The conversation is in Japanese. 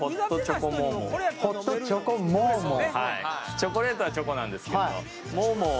チョコレートはチョコなんですけど。